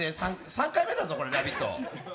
３回目だぞ、「ラヴィット！」。